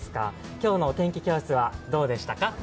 今日のお天気教室はどうでしたか？